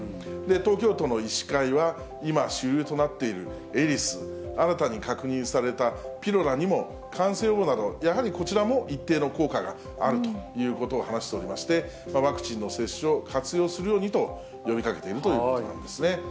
東京都の医師会は、今、主流となっているエリス、新たに確認されたピロラにも、感染予防など、こちらも一定の効果があるということを話しておりまして、ワクチンの接種を活用するようにと呼びかけているということなんですね。